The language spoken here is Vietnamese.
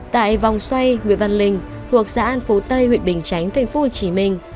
tại vòng xoay nguyễn văn linh thuộc xã an phú tây huyện bình chánh thành phố hồ chí minh